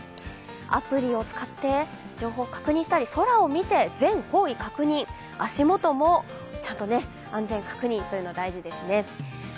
アプリを使って情報確認したり空を見て、全方位確認、足元もちゃんと安全確認というの大事ですね。